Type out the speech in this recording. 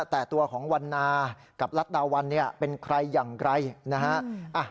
แต่ตัวของวันนากับลัดดาวันเป็นใครอย่างไรนะ